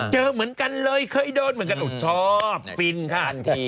เจอเหมือนกันเลยเคยโดนเหมือนกันชอบฟินค่ะทันที